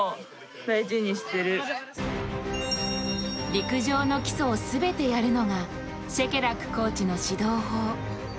陸上の基礎を全てやるのが、シェケラックコーチの指導法。